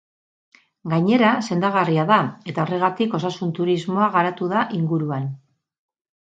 Gainera sendagarria da, eta horregatik osasun turismoa garatu da inguruan.